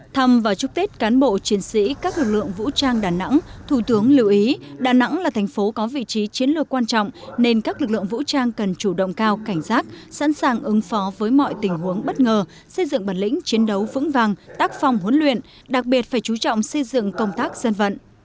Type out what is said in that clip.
thăm và chúc tết cán bộ chiến sĩ các lực lượng vũ trang đà nẵng thủ tướng lưu ý đà nẵng là thành phố có vị trí chiến lược quan trọng nên các lực lượng vũ trang cần chủ động cao cảnh giác sẵn sàng ứng phó với mọi tình huống bất ngờ xây dựng bản lĩnh chiến đấu vững vàng tác phong huấn luyện đặc biệt phải chú trọng xây dựng công tác dân vận